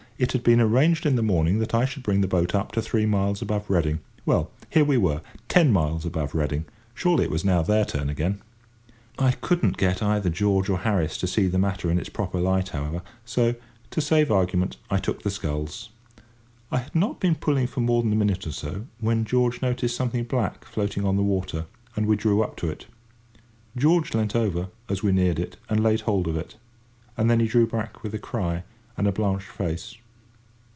It had been arranged in the morning that I should bring the boat up to three miles above Reading. Well, here we were, ten miles above Reading! Surely it was now their turn again. I could not get either George or Harris to see the matter in its proper light, however; so, to save argument, I took the sculls. I had not been pulling for more than a minute or so, when George noticed something black floating on the water, and we drew up to it. George leant over, as we neared it, and laid hold of it. And then he drew back with a cry, and a blanched face.